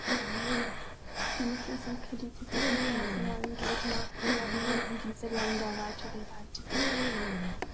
Die Mittel sind Kredite vom internationalen Geldmarkt und werden dann in diese Länder weitergeleitet.